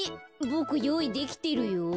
ボクよういできてるよ。